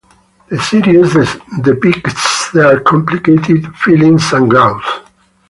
The series depicts their complicated feelings and growth.